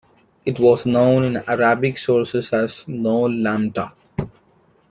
It was known in Arabic sources as Noul Lamta.